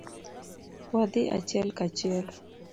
Wadhi achiel kachiel.